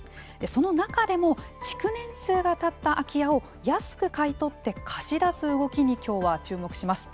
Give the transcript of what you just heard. その中でも築年数がたった空き家を安く買い取って貸し出す動きにきょうは注目します。